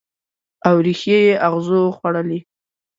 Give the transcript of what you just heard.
او ریښې یې اغزو وخوړلي